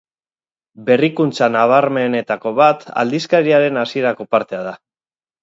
Berrikuntza nabarmenenetako bat aldizkariaren hasierako partea da.